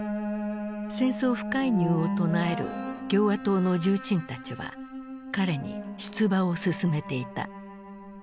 戦争不介入を唱える共和党の重鎮たちは彼に出馬を勧めていた。